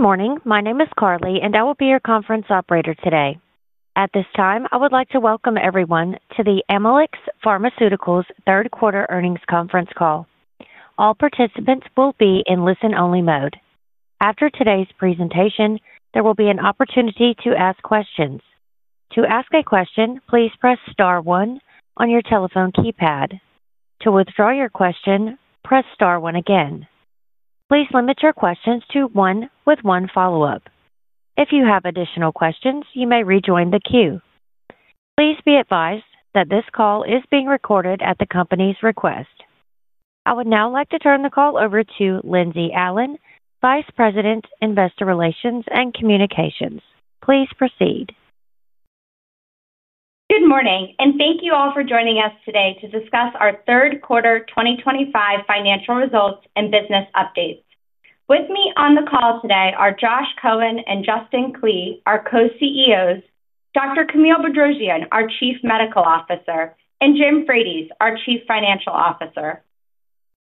Good morning. My name is Carly, and I will be your conference operator today. At this time, I would like to welcome everyone to the Amylyx Pharmaceuticals Third Quarter Earnings Conference Call. All participants will be in listen-only mode. After today's presentation, there will be an opportunity to ask questions. To ask a question, please press star one on your telephone keypad. To withdraw your question, press star one again. Please limit your questions to one with one follow-up. If you have additional questions, you may rejoin the queue. Please be advised that this call is being recorded at the company's request. I would now like to turn the call over to Lindsey Allen, Vice President, Investor Relations and Communications. Please proceed. Good morning, and thank you all for joining us today to discuss our third quarter 2025 financial results and business updates. With me on the call today are Josh Cohen and Justin Klee, our Co-CEOs; Dr. Camille Bedrosian, our Chief Medical Officer; and Jim Frates, our Chief Financial Officer.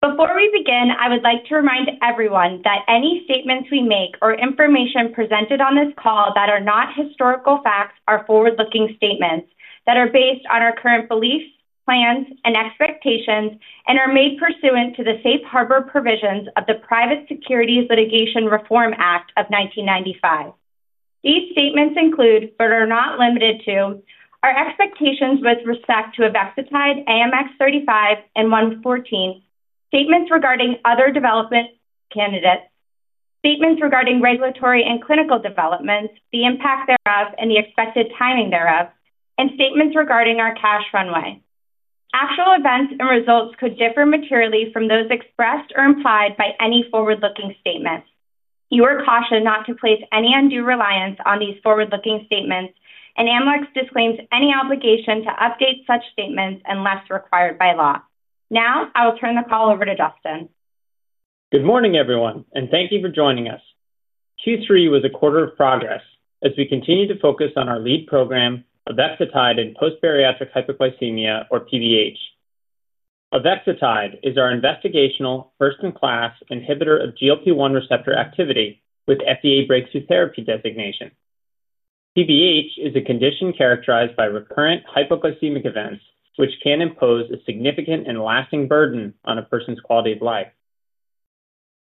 Before we begin, I would like to remind everyone that any statements we make or information presented on this call that are not historical facts are forward-looking statements that are based on our current beliefs, plans, and expectations, and are made pursuant to the safe harbor provisions of the Private Securities Litigation Reform Act of 1995. These statements include, but are not limited to, our expectations with respect to Avexitide, AMX0035, and AMX0114, statements regarding other development candidates, statements regarding regulatory and clinical developments, the impact thereof, and the expected timing thereof, and statements regarding our cash runway. Actual events and results could differ materially from those expressed or implied by any forward-looking statements. You are cautioned not to place any undue reliance on these forward-looking statements, and Amylyx disclaims any obligation to update such statements unless required by law. Now, I will turn the call over to Justin. Good morning, everyone, and thank you for joining us. Q3 was a quarter of progress as we continue to focus on our lead program, Avexitide in Post-Bariatric Hypoglycemia, or PBH. Avexitide is our investigational first-in-class inhibitor of GLP-1 receptor activity with FDA Breakthrough Therapy Designation. PBH is a condition characterized by recurrent hypoglycemic events, which can impose a significant and lasting burden on a person's quality of life.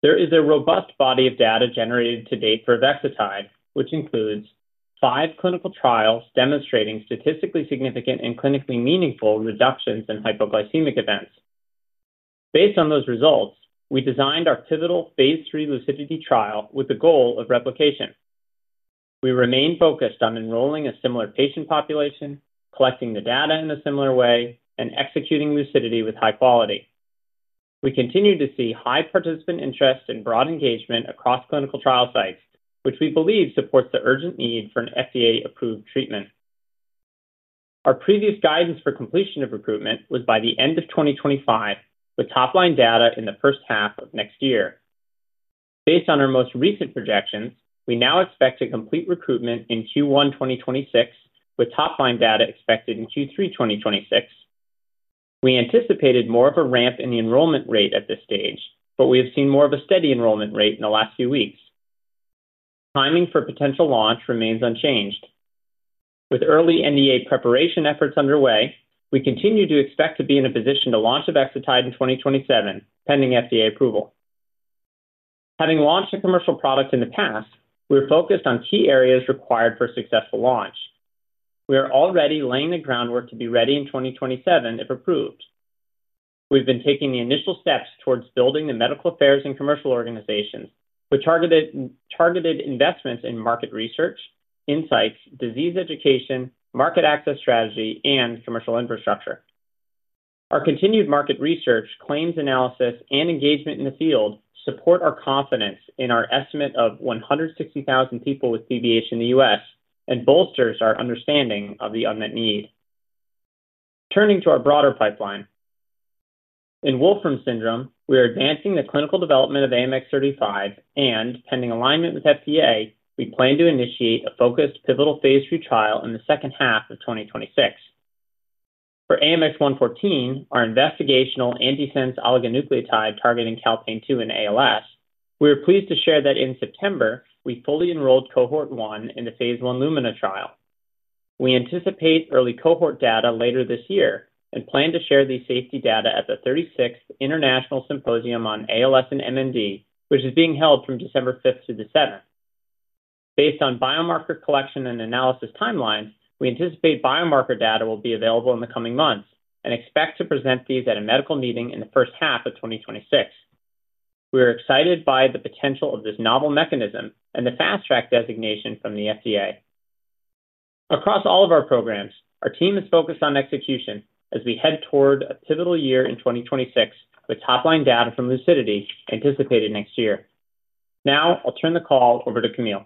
There is a robust body of data generated to date for Avexitide, which includes five clinical trials demonstrating statistically significant and clinically meaningful reductions in hypoglycemic events. Based on those results, we designed our pivotal phase III Lucidity Trial with the goal of replication. We remain focused on enrolling a similar patient population, collecting the data in a similar way, and executing Lucidity with high quality. We continue to see high participant interest and broad engagement across clinical trial sites, which we believe supports the urgent need for an FDA-approved treatment. Our previous guidance for completion of recruitment was by the end of 2025, with top-line data in the first half of next year. Based on our most recent projections, we now expect a complete recruitment in Q1 2026, with top-line data expected in Q3 2026. We anticipated more of a ramp in the enrollment rate at this stage, but we have seen more of a steady enrollment rate in the last few weeks. Timing for potential launch remains unchanged. With early NDA preparation efforts underway, we continue to expect to be in a position to launch Avexitide in 2027, pending FDA approval. Having launched a commercial product in the past, we're focused on key areas required for successful launch. We are already laying the groundwork to be ready in 2027 if approved. We've been taking the initial steps towards building the medical affairs and commercial organizations, with targeted investments in market research, insights, disease education, market access strategy, and commercial infrastructure. Our continued market research, claims analysis, and engagement in the field support our confidence in our estimate of 160,000 people with PBH in the U.S. and bolsters our understanding of the unmet need. Turning to our broader pipeline. In Wolfram syndrome, we are advancing the clinical development of AMX0035, and pending alignment with the FDA, we plan to initiate a focused pivotal phase III trial in the second half of 2026. For AMX0114, our investigational antisense oligonucleotide targeting calpain 2 in ALS, we are pleased to share that in September, we fully enrolled cohort one in the phase one Lumina trial. We anticipate early cohort data later this year and plan to share the safety data at the 36th International Symposium on ALS and MND, which is being held from December 5th to the 7th. Based on biomarker collection and analysis timelines, we anticipate biomarker data will be available in the coming months and expect to present these at a medical meeting in the first half of 2026. We are excited by the potential of this novel mechanism and the fast track designation from the FDA. Across all of our programs, our team is focused on execution as we head toward a pivotal year in 2026 with top-line data from Lucidity anticipated next year. Now, I'll turn the call over to Camille.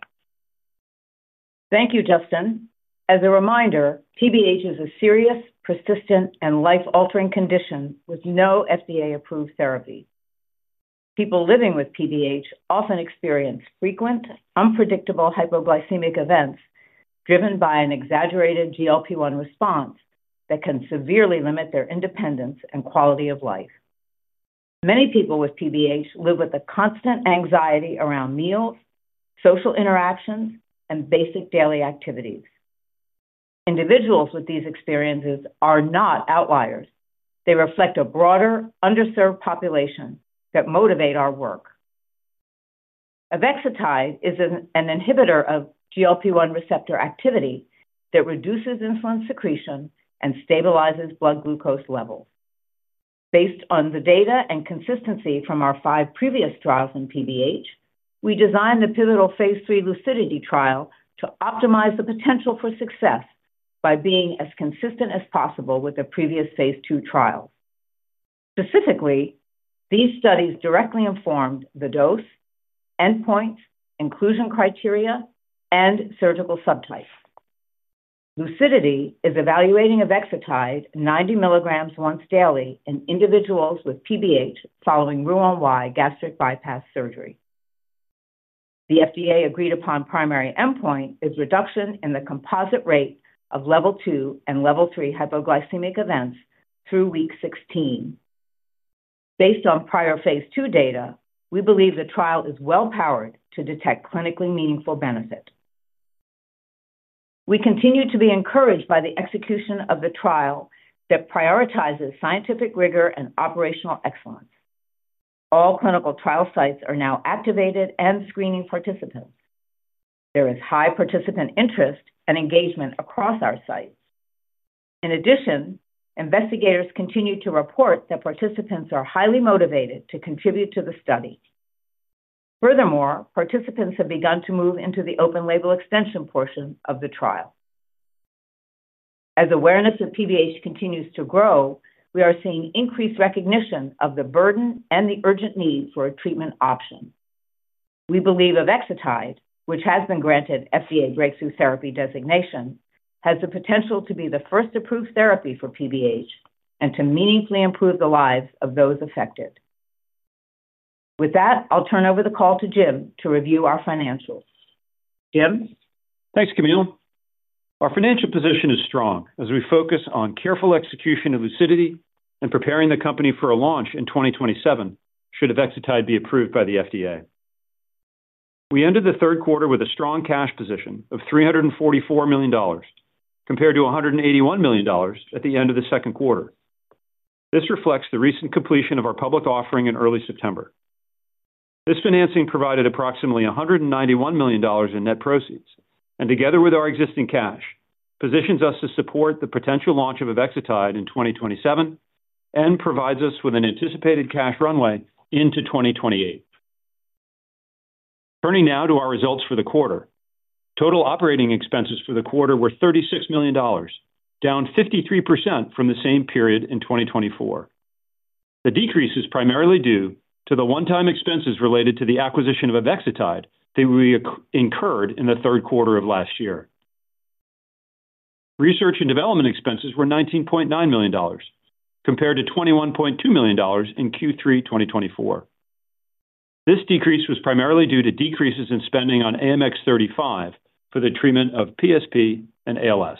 Thank you, Justin. As a reminder, PBH is a serious, persistent, and life-altering condition with no FDA-approved therapy. People living with PBH often experience frequent, unpredictable hypoglycemic events driven by an exaggerated GLP-1 response that can severely limit their independence and quality of life. Many people with PBH live with a constant anxiety around meals, social interactions, and basic daily activities. Individuals with these experiences are not outliers. They reflect a broader, underserved population that motivate our work. Avexitide is an inhibitor of GLP-1 receptor activity that reduces insulin secretion and stabilizes blood glucose levels. Based on the data and consistency from our five previous trials in PBH, we designed the pivotal phase III Lucidity trial to optimize the potential for success by being as consistent as possible with the previous phase II trials. Specifically, these studies directly informed the dose, endpoint, inclusion criteria, and surgical subtype. Lucidity is evaluating Avexitide 90 mg once daily in individuals with PBH following Roux-en-Y gastric bypass surgery. The FDA agreed-upon primary endpoint is reduction in the composite rate of level two and level three hypoglycemic events through week 16. Based on prior phase II data, we believe the trial is well-powered to detect clinically meaningful benefit. We continue to be encouraged by the execution of the trial that prioritizes scientific rigor and operational excellence. All clinical trial sites are now activated and screening participants. There is high participant interest and engagement across our site. In addition, investigators continue to report that participants are highly motivated to contribute to the study. Furthermore, participants have begun to move into the open-label extension portion of the trial. As awareness of PBH continues to grow, we are seeing increased recognition of the burden and the urgent need for a treatment option. We believe Avexitide, which has been granted FDA Breakthrough Therapy Designation, has the potential to be the first approved therapy for PBH and to meaningfully improve the lives of those affected. With that, I'll turn over the call to Jim to review our financials. Jim. Thanks, Camille. Our financial position is strong as we focus on careful execution of Lucidity and preparing the company for a launch in 2027 should Avexitide be approved by the FDA. We ended the third quarter with a strong cash position of $344 million, compared to $181 million at the end of the second quarter. This reflects the recent completion of our public offering in early September. This financing provided approximately $191 million in net proceeds, and together with our existing cash, positions us to support the potential launch of Avexitide in 2027 and provides us with an anticipated cash runway into 2028. Turning now to our results for the quarter, total operating expenses for the quarter were $36 million, down 53% from the same period in 2024. The decrease is primarily due to the one-time expenses related to the acquisition of Avexitide that we incurred in the third quarter of last year. Research and development expenses were $19.9 million, compared to $21.2 million in Q3 2024. This decrease was primarily due to decreases in spending on AMX0035 for the treatment of PSP and ALS.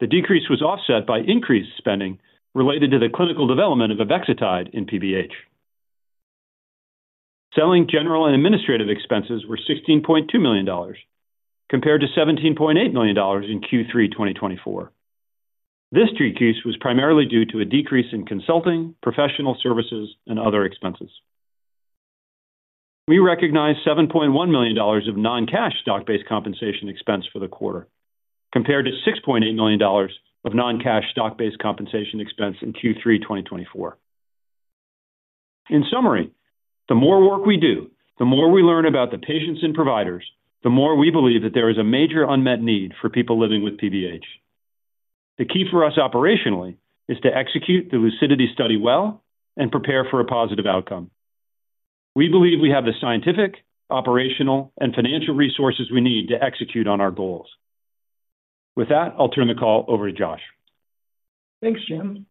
The decrease was offset by increased spending related to the clinical development of Avexitide in PBH. Selling, general, and administrative expenses were $16.2 million, compared to $17.8 million in Q3 2024. This decrease was primarily due to a decrease in consulting, professional services, and other expenses. We recognize $7.1 million of non-cash stock-based compensation expense for the quarter, compared to $6.8 million of non-cash stock-based compensation expense in Q3 2024. In summary, the more work we do, the more we learn about the patients and providers, the more we believe that there is a major unmet need for people living with PBH. The key for us operationally is to execute the Lucidity study well and prepare for a positive outcome. We believe we have the scientific, operational, and financial resources we need to execute on our goals. With that, I'll turn the call over to Josh. Thanks, Jim.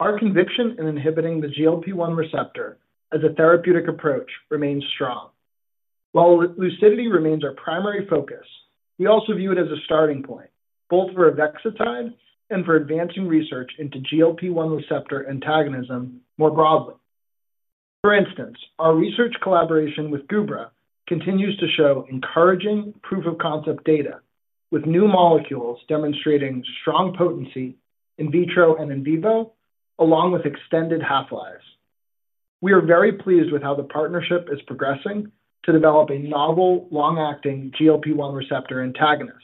Our conviction in inhibiting the GLP-1 receptor as a therapeutic approach remains strong. While Lucidity remains our primary focus, we also view it as a starting point, both for Avexitide and for advancing research into GLP-1 receptor antagonism more broadly. For instance, our research collaboration with Gubra continues to show encouraging proof of concept data, with new molecules demonstrating strong potency in vitro and in vivo, along with extended half-lives. We are very pleased with how the partnership is progressing to develop a novel, long-acting GLP-1 receptor antagonist.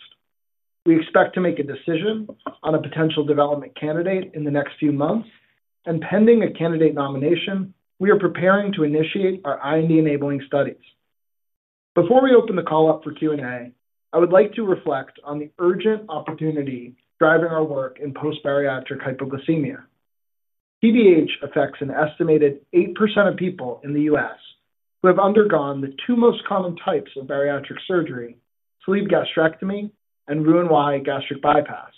We expect to make a decision on a potential development candidate in the next few months, and pending a candidate nomination, we are preparing to initiate our IND-enabling studies. Before we open the call up for Q&A, I would like to reflect on the urgent opportunity driving our work in post-bariatric hypoglycemia. PBH affects an estimated 8% of people in the U.S. who have undergone the two most common types of bariatric surgery, sleeve gastrectomy and Roux-en-Y gastric bypass.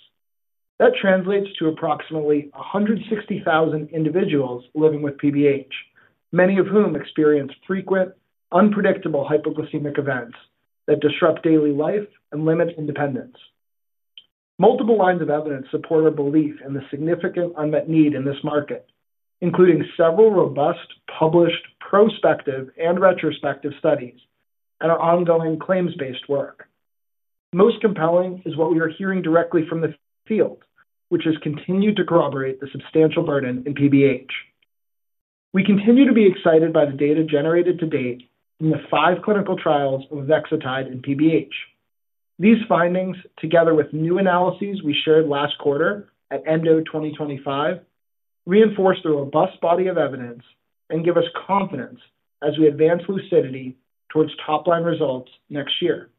That translates to approximately 160,000 individuals living with PBH, many of whom experience frequent, unpredictable hypoglycemic events that disrupt daily life and limit independence. Multiple lines of evidence support our belief in the significant unmet need in this market, including several robust published prospective and retrospective studies and our ongoing claims-based work. Most compelling is what we are hearing directly from the field, which has continued to corroborate the substantial burden in PBH. We continue to be excited by the data generated to date in the five clinical trials of Avexitide and PBH. These findings, together with new analyses we shared last quarter at NDO 2025. Reinforce the robust body of evidence and give us confidence as we advance Lucidity towards top-line results next year.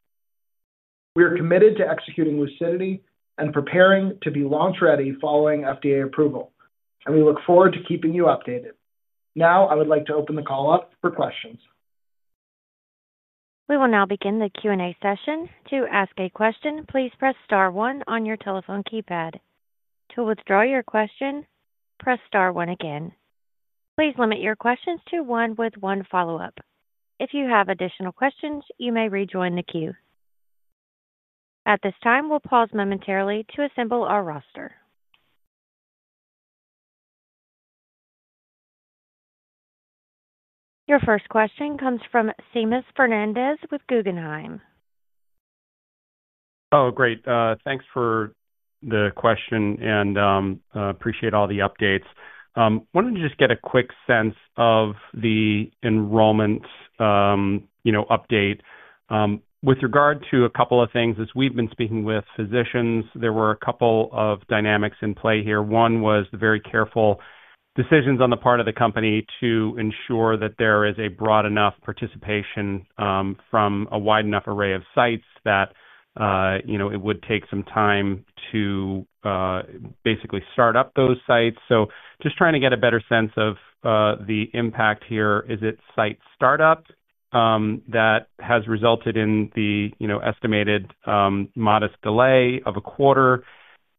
We are committed to executing Lucidity and preparing to be launch-ready following FDA approval, and we look forward to keeping you updated. Now, I would like to open the call up for questions. We will now begin the Q&A session. To ask a question, please press star one on your telephone keypad. To withdraw your question, press star one again. Please limit your questions to one with one follow-up. If you have additional questions, you may rejoin the queue. At this time, we'll pause momentarily to assemble our roster. Your first question comes from Seamus Fernandez with Guggenheim. Oh, great. Thanks for the question, and I appreciate all the updates. I wanted to just get a quick sense of the enrollment update. With regard to a couple of things, as we've been speaking with physicians, there were a couple of dynamics in play here. One was the very careful decisions on the part of the company to ensure that there is a broad enough participation from a wide enough array of sites that it would take some time to basically start up those sites. Just trying to get a better sense of the impact here. Is it site startup that has resulted in the estimated modest delay of a quarter?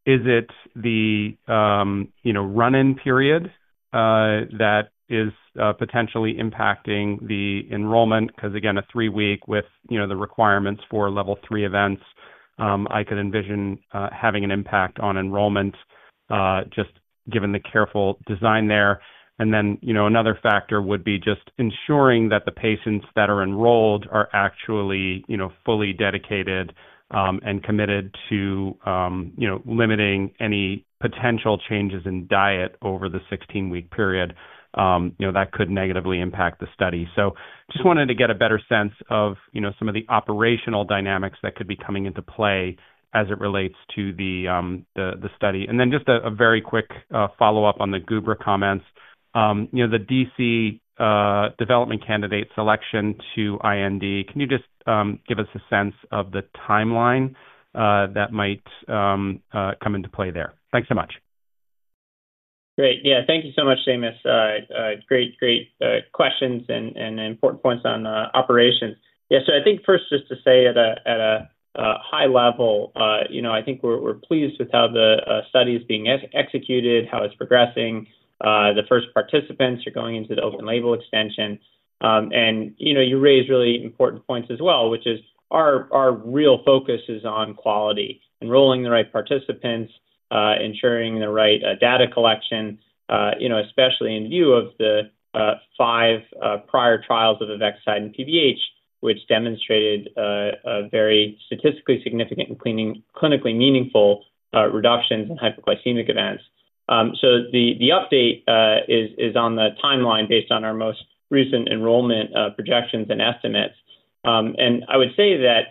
Is it the run-in period that is potentially impacting the enrollment? Because, again, a three-week with the requirements for level three events, I could envision having an impact on enrollment, just given the careful design there. Another factor would be just ensuring that the patients that are enrolled are actually fully dedicated and committed to limiting any potential changes in diet over the 16-week period that could negatively impact the study. I just wanted to get a better sense of some of the operational dynamics that could be coming into play as it relates to the study. A very quick follow-up on the Gubra comments. The DC, development candidate selection to IND, can you just give us a sense of the timeline that might come into play there? Thanks so much. Great. Yeah, thank you so much, Seamus. Great, great questions and important points on operations. Yeah, I think first, just to say at a high level, I think we're pleased with how the study is being executed, how it's progressing, the first participants are going into the open-label extension. You raised really important points as well, which is our real focus is on quality, enrolling the right participants, ensuring the right data collection. Especially in view of the five prior trials of Avexitide and PBH, which demonstrated a very statistically significant and clinically meaningful reduction in hypoglycemic events. The update is on the timeline based on our most recent enrollment projections and estimates. I would say that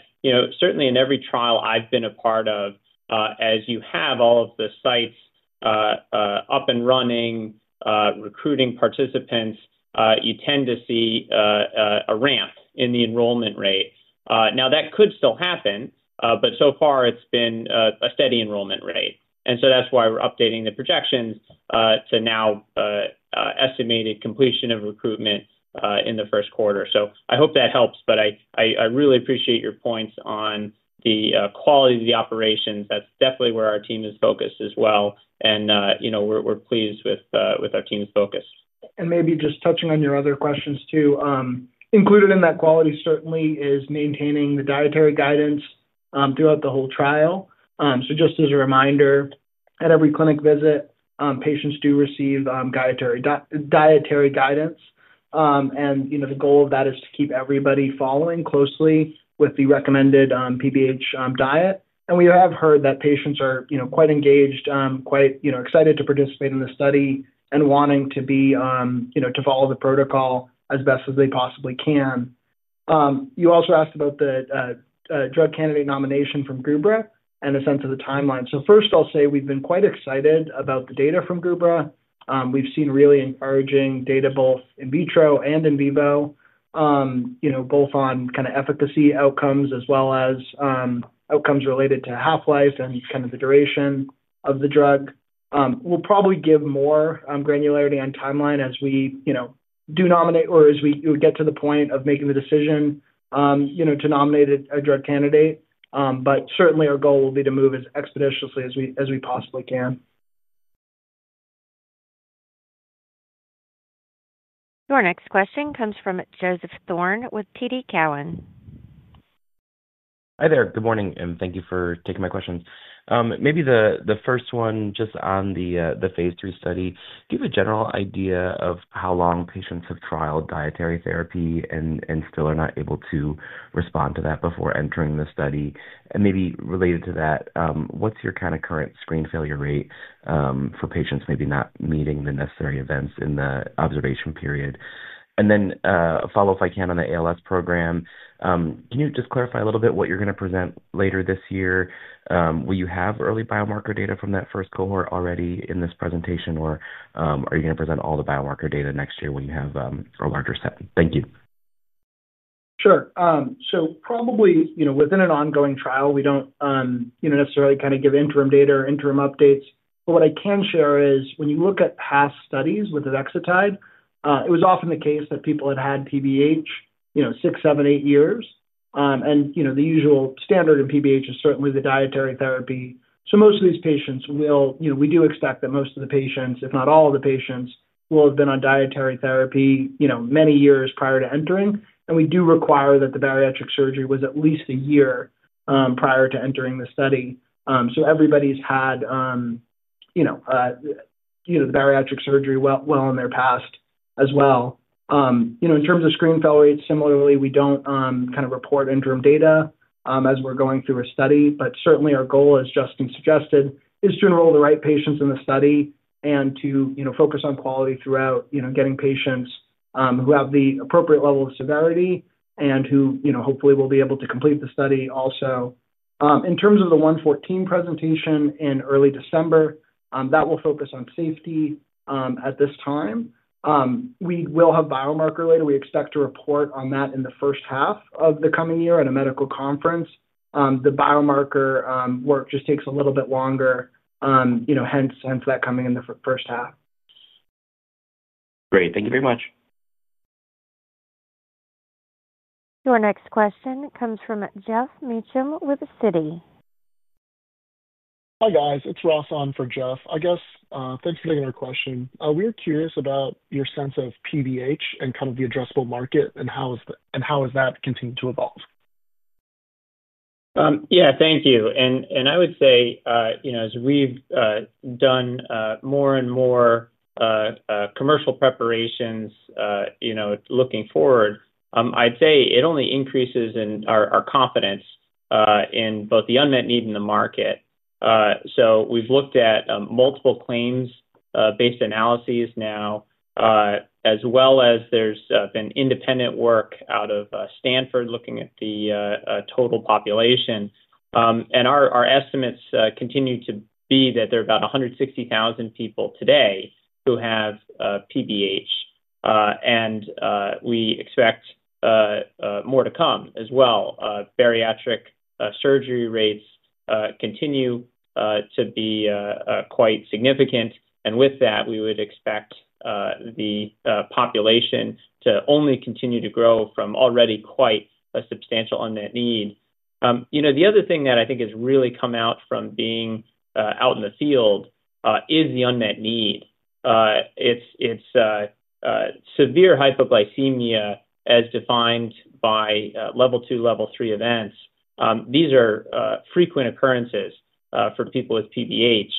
certainly in every trial I've been a part of, as you have all of the sites up and running, recruiting participants, you tend to see. A ramp in the enrollment rate. Now, that could still happen, but so far, it's been a steady enrollment rate. That's why we're updating the projections to now. Estimated completion of recruitment in the first quarter. I hope that helps, but I really appreciate your points on the quality of the operation. That's definitely where our team is focused as well. We're pleased with our team's focus. Maybe just touching on your other questions too, included in that quality certainly is maintaining the dietary guidance throughout the whole trial. Just as a reminder, at every clinic visit, patients do receive dietary guidance. The goal of that is to keep everybody following closely with the recommended PBH diet. We have heard that patients are quite engaged, quite excited to participate in the study, and wanting to follow the protocol as best as they possibly can. You also asked about the drug candidate nomination from Gubra and a sense of the timeline. First, I'll say we've been quite excited about the data from Gubra. We've seen really encouraging data, both in vitro and in vivo, both on kind of efficacy outcomes as well as outcomes related to half-life and kind of the duration of the drug. We'll probably give more granularity on timeline as we do nominate or as we get to the point of making the decision to nominate a drug candidate. Certainly, our goal will be to move as expeditiously as we possibly can. Our next question comes from Joseph Thorne with TD Cowen. Hi there. Good morning, and thank you for taking my questions. Maybe the first one just on the phase III study. Do you have a general idea of how long patients have trialed dietary therapy and still are not able to respond to that before entering the study? Maybe related to that, what's your kind of current screen failure rate for patients maybe not meeting the necessary events in the observation period? A follow-up, if I can, on the ALS program. Can you just clarify a little bit what you're going to present later this year? Will you have early biomarker data from that first cohort already in this presentation, or are you going to present all the biomarker data next year when you have a larger set? Thank you. Sure. Probably within an ongoing trial, we do not necessarily kind of give interim data or interim updates. What I can share is when you look at past studies with Avexitide, it was often the case that people had had PBH six, seven, eight years. The usual standard in PBH is certainly the dietary therapy. Most of these patients will, we do expect that most of the patients, if not all of the patients, will have been on dietary therapy many years prior to entering. We do require that the bariatric surgery was at least a year prior to entering the study. Everybody has had the bariatric surgery well in their past as well. In terms of screen fail rates, similarly, we do not kind of report interim data as we are going through a study. Certainly, our goal, as Justin suggested, is to enroll the right patients in the study and to focus on quality throughout, getting patients who have the appropriate level of severity and who hopefully will be able to complete the study also. In terms of the 114 presentation in early December, that will focus on safety at this time. We will have biomarker later. We expect to report on that in the first half of the coming year at a medical conference. The biomarker work just takes a little bit longer, hence that coming in the first half. Great. Thank you very much. Your next question comes from Jeff Meacham with Citi. Hi, guys. It's Ross on for Jeff. I guess thanks for taking our question. We're curious about your sense of PBH and kind of the addressable market and how. Has that continued to evolve? Yeah, thank you. I would say as we've done more and more commercial preparations, looking forward, I'd say it only increases in our confidence in both the unmet need in the market. We've looked at multiple claims-based analyses now, as well as there's been independent work out of Stanford looking at the total population. Our estimates continue to be that there are about 160,000 people today who have PBH. We expect more to come as well. Bariatric surgery rates continue to be quite significant, and with that, we would expect the population to only continue to grow from already quite a substantial unmet need. The other thing that I think has really come out from being out in the field is the unmet need. It's severe hypoglycemia as defined by level two, level three events. These are frequent occurrences for people with PBH.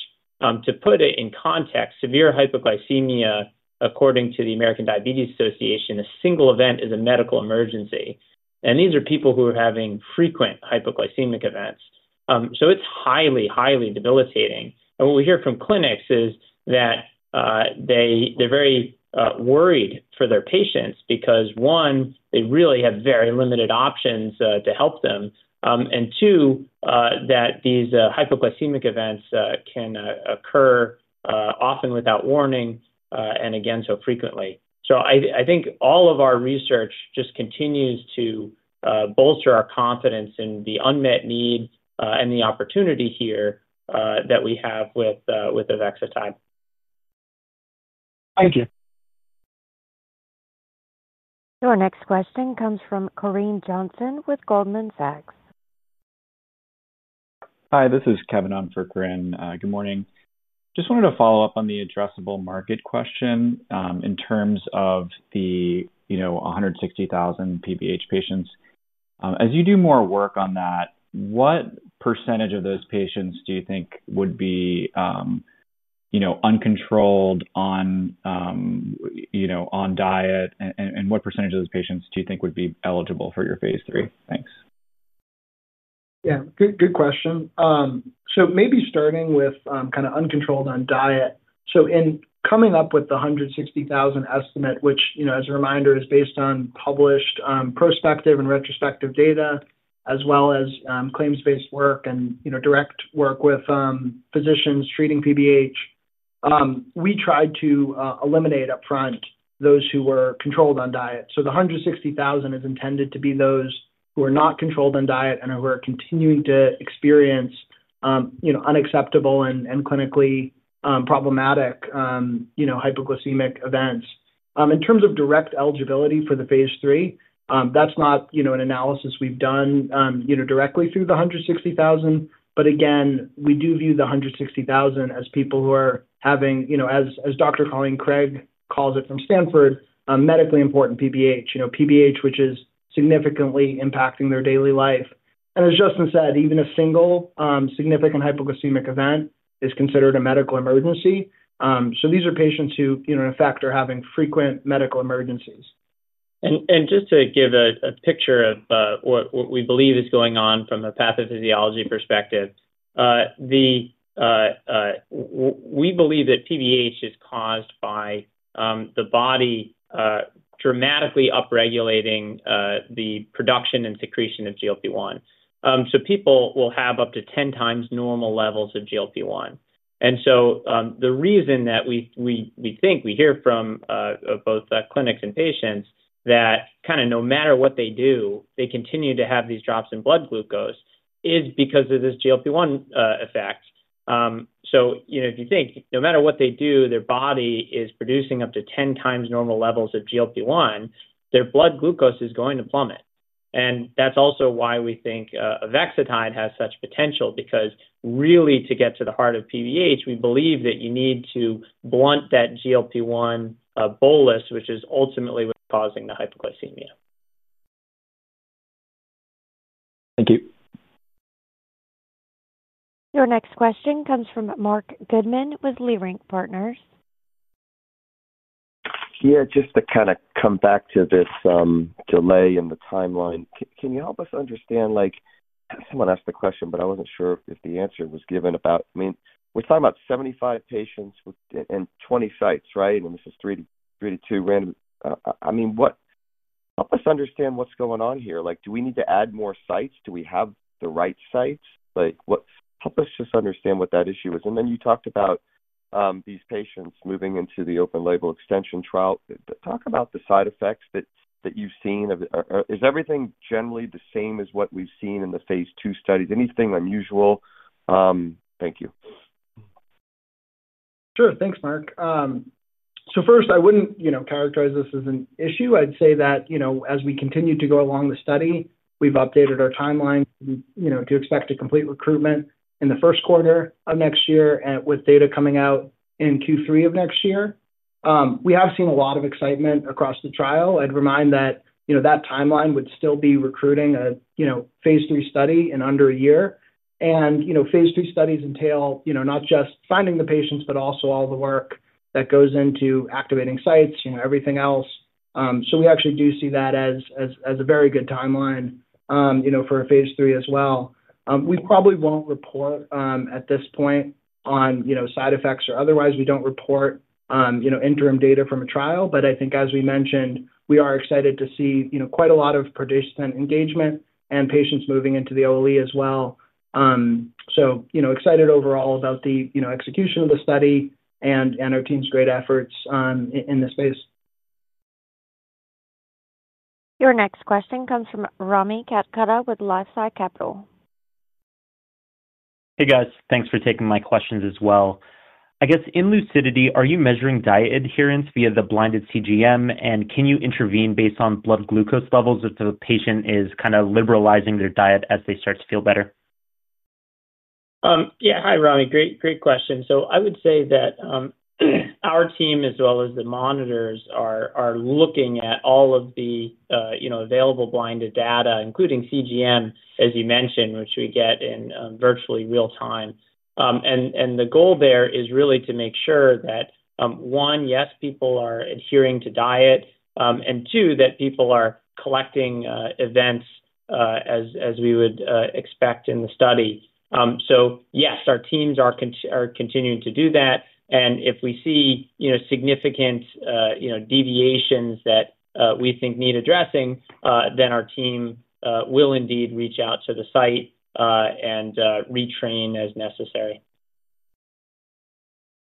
To put it in context, severe hypoglycemia, according to the American Diabetes Association, a single event is a medical emergency. These are people who are having frequent hypoglycemic events. It is highly, highly debilitating. What we hear from clinics is that they are very worried for their patients because, one, they really have very limited options to help them, and two, that these hypoglycemic events can occur often without warning and again so frequently. I think all of our research just continues to bolster our confidence in the unmet need and the opportunity here that we have with Avexitide. Thank you. Your next question comes from Corinne Johnson with Goldman Sachs. Hi, this is Kevin Ong for Corine. Good morning. Just wanted to follow up on the addressable market question in terms of the 160,000 PBH patients. As you do more work on that, what percentage of those patients do you think would be uncontrolled on diet, and what percentage of those patients do you think would be eligible for your phase III? Thanks. Yeah, good question. Maybe starting with kind of uncontrolled on diet. In coming up with the 160,000 estimate, which, as a reminder, is based on published prospective and retrospective data, as well as claims-based work and direct work with physicians treating PBH, we tried to eliminate upfront those who were controlled on diet. The 160,000 is intended to be those who are not controlled on diet and who are continuing to experience unacceptable and clinically problematic hypoglycemic events. In terms of direct eligibility for the phase III, that's not an analysis we've done directly through the 160,000. Again, we do view the 160,000 as people who are having, as Dr. Colleen Craig calls it from Stanford, medically important PBH, PBH which is significantly impacting their daily life. As Justin said, even a single significant hypoglycemic event is considered a medical emergency. These are patients who, in effect, are having frequent medical emergencies. Just to give a picture of what we believe is going on from a pathophysiology perspective. We believe that PBH is caused by the body dramatically upregulating the production and secretion of GLP-1. People will have up to 10x normal levels of GLP-1. The reason that we think we hear from both clinics and patients that kind of no matter what they do, they continue to have these drops in blood glucose is because of this GLP-1 effect. If you think no matter what they do, their body is producing up to 10x normal levels of GLP-1, their blood glucose is going to plummet. That is also why we think Avexitide has such potential because really to get to the heart of PBH, we believe that you need to blunt that GLP-1 bolus, which is ultimately what is causing the hypoglycemia. Thank you. Your next question comes from Marc Goodman with Leerink Partners. Yeah, just to kind of come back to this delay in the timeline. Can you help us understand? Someone asked a question, but I wasn't sure if the answer was given about, I mean, we're talking about 75 patients and 20 sites, right? And this is 3-2 random. I mean, help us understand what's going on here. Do we need to add more sites? Do we have the right sites? Help us just understand what that issue is. And then you talked about these patients moving into the open-label extension trial. Talk about the side effects that you've seen. Is everything generally the same as what we've seen in the phase II study? Anything unusual? Thank you. Sure. Thanks, Mark. First, I wouldn't characterize this as an issue. I'd say that as we continue to go along the study, we've updated our timeline to expect to complete recruitment in the first quarter of next year with data coming out in Q3 of next year. We have seen a lot of excitement across the trial. I'd remind that timeline would still be recruiting a phase III study in under a year. Phase III studies entail not just finding the patients, but also all the work that goes into activating sites, everything else. We actually do see that as a very good timeline for a phase III as well. We probably won't report at this point on side effects or otherwise. We don't report interim data from a trial. I think, as we mentioned, we are excited to see quite a lot of participant engagement and patients moving into the OLE as well. Excited overall about the execution of the study and our team's great efforts in this space. Your next question comes from Rami Katkhuda with LifeSci Capital. Hey, guys. Thanks for taking my questions as well. I guess in Lucidity, are you measuring diet adherence via the blinded CGM? And can you intervene based on blood glucose levels if the patient is kind of liberalizing their diet as they start to feel better? Yeah. Hi, Rami. Great question. I would say that our team, as well as the monitors, are looking at all of the available blinded data, including CGM, as you mentioned, which we get in virtually real time. The goal there is really to make sure that, one, yes, people are adhering to diet, and two, that people are collecting events as we would expect in the study. Yes, our teams are continuing to do that. If we see significant deviations that we think need addressing, then our team will indeed reach out to the site and retrain as necessary.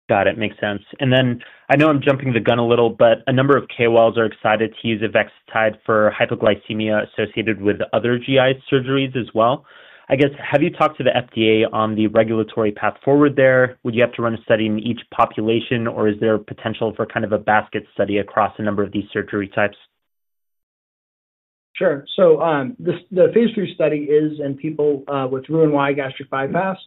Got it. Makes sense. I know I'm jumping the gun a little, but a number of KOLs are excited to use Avexitide for hypoglycemia associated with other GI surgeries as well. I guess, have you talked to the FDA on the regulatory path forward there? Would you have to run a study in each population, or is there potential for kind of a basket study across a number of these surgery types? Sure. The phase III study is in people with Roux-en-Y gastric bypass.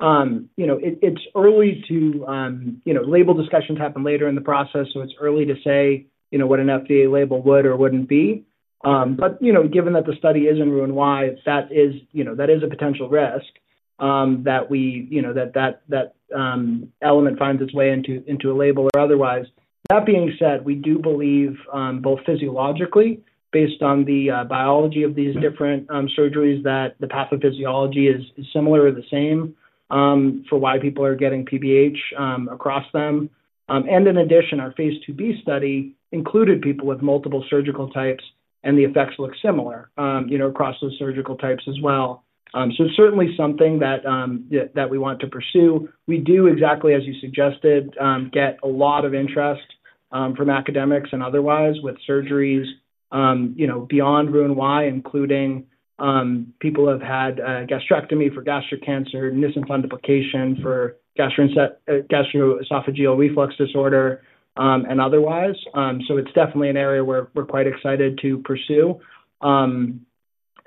It's early to. Label discussions happen later in the process. It's early to say what an FDA label would or wouldn't be. Given that the study is in Roux-en-Y, that is a potential risk. That we. That. Element finds its way into a label or otherwise. That being said, we do believe both physiologically, based on the biology of these different surgeries, that the pathophysiology is similar or the same for why people are getting PBH across them. In addition, our phase II B study included people with multiple surgical types, and the effects look similar across those surgical types as well. It's certainly something that. We want to pursue. We do, exactly as you suggested, get a lot of interest from academics and otherwise with surgeries beyond Roux-en-Y, including. People who have had gastrectomy for gastric cancer, Nissen fundoplication for gastroesophageal reflux disorder, and otherwise. It is definitely an area we are quite excited to pursue. Yeah,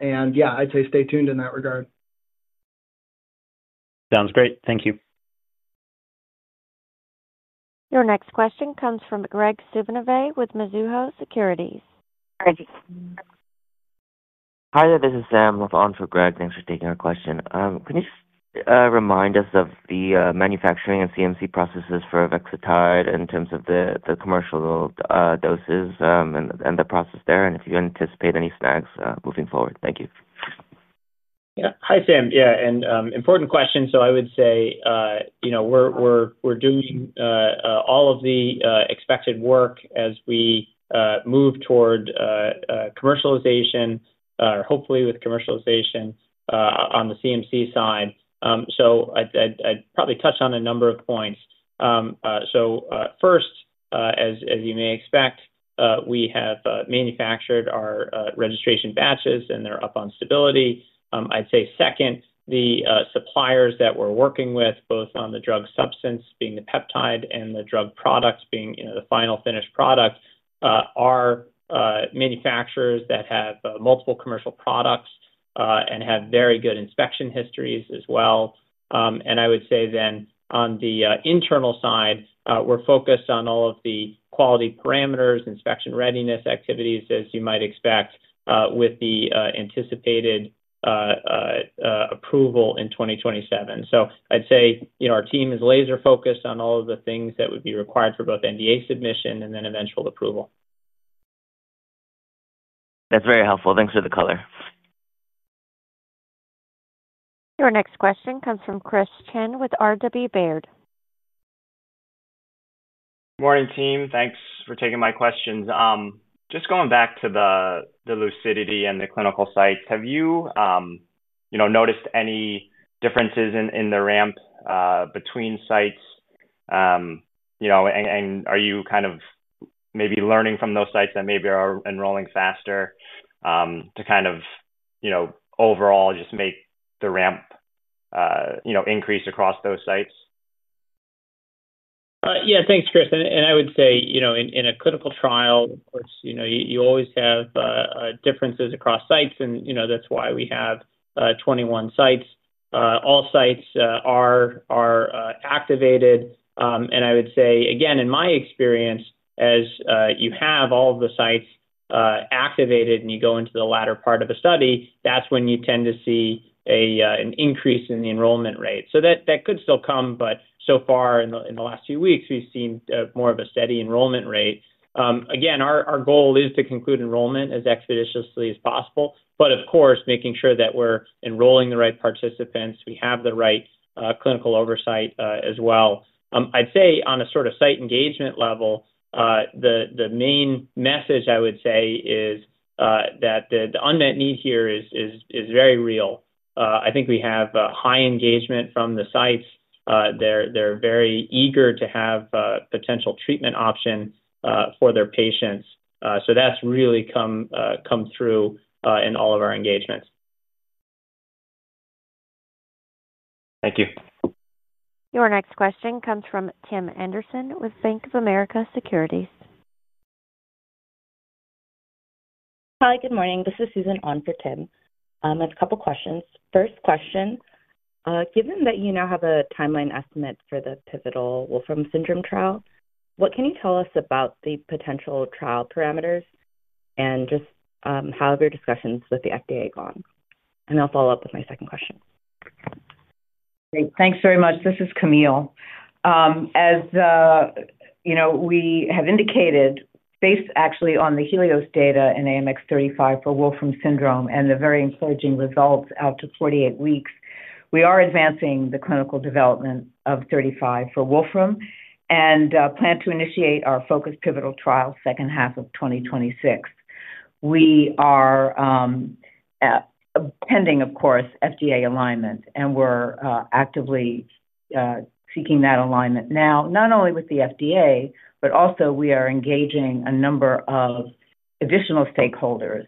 I would say stay tuned in that regard. Sounds great. Thank you. Your next question comes from Greg Sivaneve with Mizuho Securities. Hi, this is Sam with on for Greg. Thanks for taking our question. Can you remind us of the manufacturing and CMC processes for Avexitide in terms of the commercial doses and the process there? If you anticipate any snags moving forward? Thank you. Yeah. Hi, Sam. Yeah. An important question. I would say we're doing all of the expected work as we move toward commercialization, hopefully with commercialization on the CMC side. I'd probably touch on a number of points. First, as you may expect, we have manufactured our registration batches, and they're up on stability. Second, the suppliers that we're working with, both on the drug substance being the peptide and the drug products being the final finished product, are manufacturers that have multiple commercial products and have very good inspection histories as well. I would say then on the internal side, we're focused on all of the quality parameters, inspection readiness activities, as you might expect, with the anticipated approval in 2027. I'd say our team is laser-focused on all of the things that would be required for both NDA submission and then eventual approval. That's very helpful. Thanks for the color. Your next question comes from Chris Chin with RW Baird. Morning, team. Thanks for taking my questions. Just going back to the Lucidity and the clinical sites, have you noticed any differences in the ramp between sites? Are you kind of maybe learning from those sites that maybe are enrolling faster to kind of overall just make the ramp increase across those sites? Yeah, thanks, Chris. I would say in a clinical trial, of course, you always have differences across sites, and that is why we have 21 sites. All sites are activated. I would say, again, in my experience, as you have all of the sites activated and you go into the latter part of the study, that is when you tend to see an increase in the enrollment rate. That could still come, but so far in the last few weeks, we have seen more of a steady enrollment rate. Again, our goal is to conclude enrollment as expeditiously as possible, but of course, making sure that we are enrolling the right participants, we have the right clinical oversight as well. I would say on a sort of site engagement level, the main message I would say is that the unmet need here is very real. I think we have high engagement from the sites. They're very eager to have a potential treatment option for their patients. That has really come through in all of our engagements. Thank you. Your next question comes from Tim Anderson with Bank of America Securities. Hi, good morning. This is Susan on for Tim. I have a couple of questions. First question. Given that you now have a timeline estimate for the pivotal Wolfram syndrome trial, what can you tell us about the potential trial parameters and just how have your discussions with the FDA gone? I'll follow up with my second question. Great. Thanks very much. This is Camille. As we have indicated, based actually on the HELIOS data and AMX0035 for Wolfram syndrome and the very encouraging results out to 48 weeks, we are advancing the clinical development of 35 for Wolfram and plan to initiate our focused pivotal trial second half of 2026. We are, pending, of course, FDA alignment, and we're actively seeking that alignment now, not only with the FDA, but also we are engaging a number of additional stakeholders,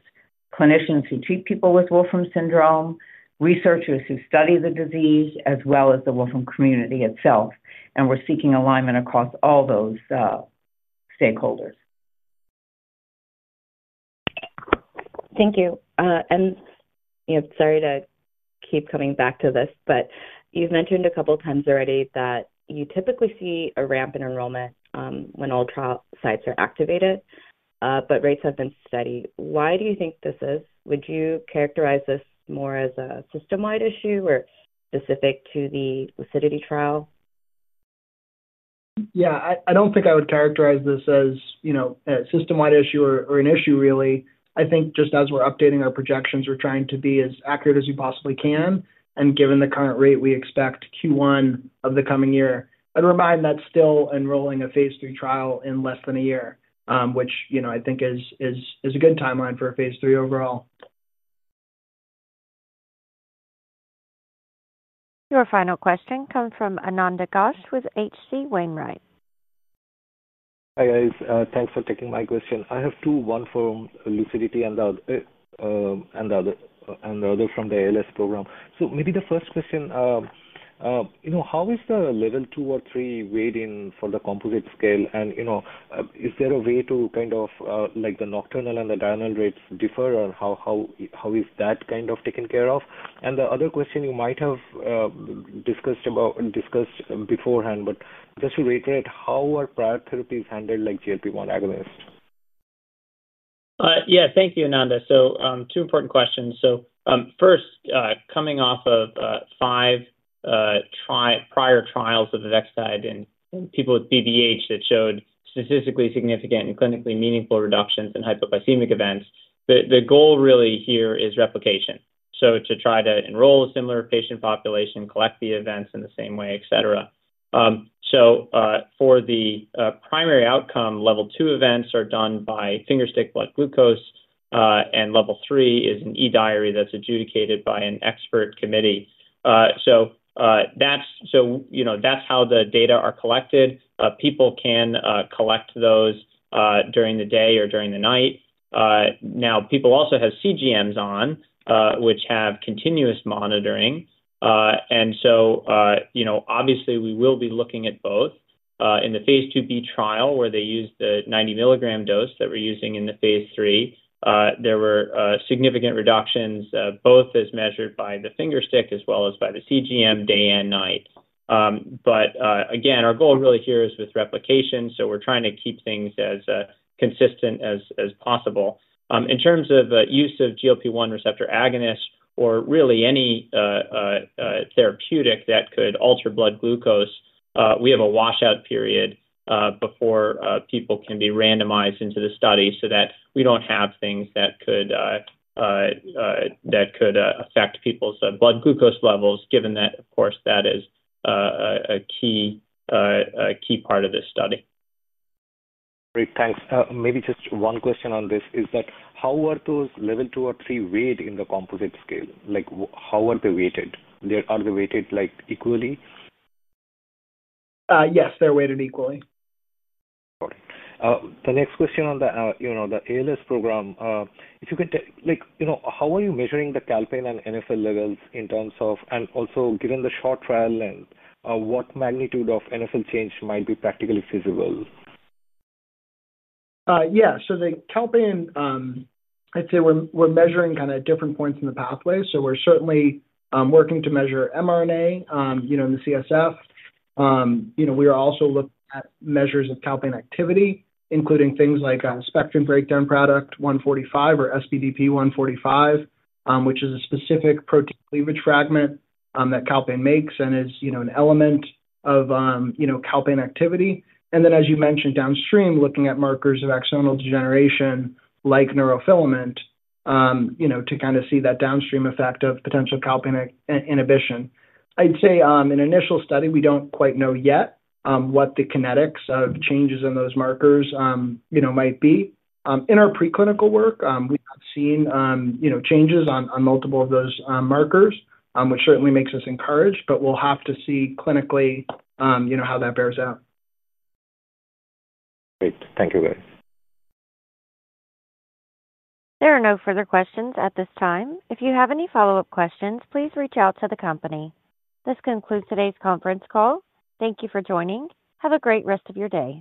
clinicians who treat people with Wolfram syndrome, researchers who study the disease, as well as the Wolfram community itself. We are seeking alignment across all those stakeholders. Thank you. Sorry to keep coming back to this, but you've mentioned a couple of times already that you typically see a ramp in enrollment when all trial sites are activated. Rates have been steady. Why do you think this is? Would you characterize this more as a system-wide issue or specific to the Lucidity trial? Yeah, I don't think I would characterize this as a system-wide issue or an issue really. I think just as we're updating our projections, we're trying to be as accurate as we possibly can. Given the current rate, we expect Q1 of the coming year. I'd remind that's still enrolling a phase III trial in less than a year, which I think is a good timeline for a phase III overall. Your final question comes from Ananda Ghosh with H.C. Wainwright. Hi, guys. Thanks for taking my question. I have two, one for Lucidity and the other from the ALS program. Maybe the first question, how is the level two or three weighed in for the composite scale? Is there a way to, kind of, like, the nocturnal and the diurnal rates differ? How is that kind of taken care of? The other question, you might have discussed beforehand, but just to reiterate, how are prior therapies handled, like GLP-1 agonists? Yeah, thank you, Ananda. Two important questions. First, coming off of five prior trials of Avexitide in people with PBH that showed statistically significant and clinically meaningful reductions in hypoglycemic events, the goal really here is replication. To try to enroll a similar patient population, collect the events in the same way, etc. For the primary outcome, level two events are done by fingerstick blood glucose, and level three is an eDiary that is adjudicated by an expert committee. That is how the data are collected. People can collect those during the day or during the night. Now, people also have CGMs on, which have continuous monitoring. Obviously, we will be looking at both. In the phase II B trial, where they used the 90 mg dose that we're using in the phase III, there were significant reductions, both as measured by the fingerstick as well as by the CGM, day and night. Our goal really here is with replication. We're trying to keep things as consistent as possible. In terms of use of GLP-1 receptor agonists or really any therapeutic that could alter blood glucose, we have a washout period before people can be randomized into the study so that we don't have things that could affect people's blood glucose levels, given that, of course, that is a key part of this study. Great. Thanks. Maybe just one question on this is that how are those level two or three weighed in the composite scale? How are they weighted? Are they weighted equally? Yes, they're weighted equally. Got it. The next question on the ALS program, if you could, how are you measuring the calpain and NFL levels in terms of, and also given the short trial length, what magnitude of NFL change might be practically feasible? Yeah. The calpain, I'd say we're measuring kind of different points in the pathway. We're certainly working to measure mRNA in the CSF. We are also looking at measures of calpain activity, including things like a spectrum breakdown product 145 or SBDP 145, which is a specific protein cleavage fragment that calpain makes and is an element of calpain activity. Then, as you mentioned, downstream, looking at markers of axonal degeneration like neurofilament to kind of see that downstream effect of potential calpain inhibition. I'd say in initial study, we don't quite know yet what the kinetics of changes in those markers might be. In our preclinical work, we have seen changes on multiple of those markers, which certainly makes us encouraged, but we'll have to see clinically how that bears out. Great. Thank you, guys. There are no further questions at this time. If you have any follow-up questions, please reach out to the company. This concludes today's conference call. Thank you for joining. Have a great rest of your day.